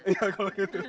iya kalau gitu